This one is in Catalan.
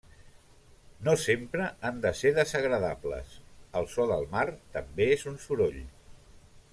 No sempre han de ser desagradables, el so del mar també és un soroll.